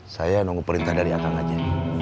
saya nunggu perintah dari akang aja